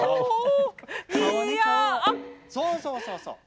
そうそうそうそう。